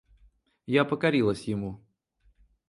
Я покорилась ему.